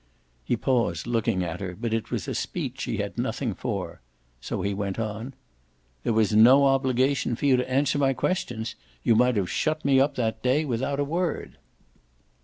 He paused, looking at her, but it was a speech she had nothing for; so he went on: "There was no obligation for you to answer my questions you might have shut me up that day with a word."